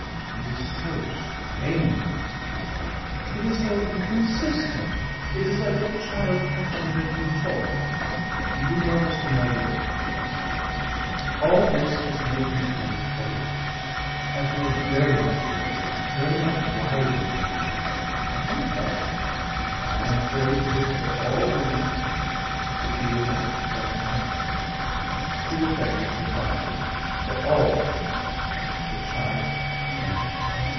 "It is so strange," she sighed. "It is so inconsistent. It is like a child catching at a new toy. Do you know, Mr. Melville" she hesitated "all this has made me feel old. I feel very much older, very much wiser than he is. I cannot help it. I am afraid it is for all women ... to feel that sometimes." She reflected profoundly. "For all women The child, man!